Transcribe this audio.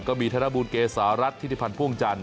ก็มีธนบุรเกสารัฐทิศพันธ์ภ่วงจาน